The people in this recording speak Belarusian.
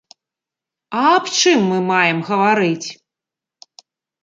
А аб чым мы маем гаварыць?